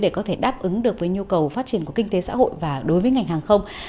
để có thể đáp ứng được với nhu cầu phát triển của kinh tế xã hội và đối với ngành hàng không